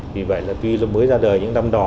vì vậy là tuy mới ra đời những năm đỏ